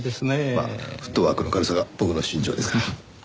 まあフットワークの軽さが僕の身上ですから。